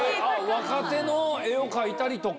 若手の絵を描いたりとか。